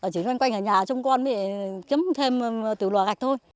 chỉ quanh nhà trong con mới kiếm thêm từ loa gạch thôi